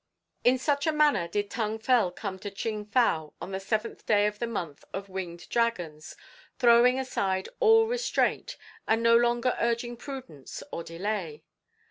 In such a manner did Tung Fel come to Ching fow on the seventh day of the month of Winged Dragons, throwing aside all restraint, and no longer urging prudence or delay.